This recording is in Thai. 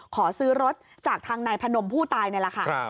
ขอซื้อรถจากทางนายพนมผู้ตายนี่แหละค่ะ